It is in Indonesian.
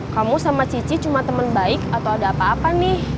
kamu sama cici cuma teman baik atau ada apa apa nih